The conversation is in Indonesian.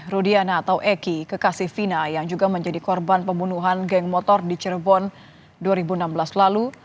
rudiana atau eki kekasih fina yang juga menjadi korban pembunuhan geng motor di cirebon dua ribu enam belas lalu